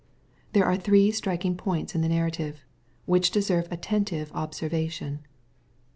There are three striking points in the narrative, which deserve attentive observa tion.